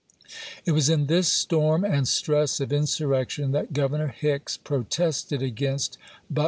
It was in this storm and stress of insurrec tion that Governor Hicks protested against But w.